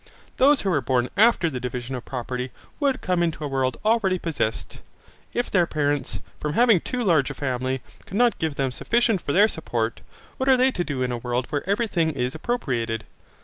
Those who were born after the division of property would come into a world already possessed. If their parents, from having too large a family, could not give them sufficient for their support, what are they to do in a world where everything is appropriated?